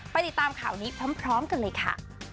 ติดตามข่าวนี้พร้อมกันเลยค่ะ